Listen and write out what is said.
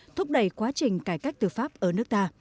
thúc đẩy quá trình cải cách tư pháp ở nước ta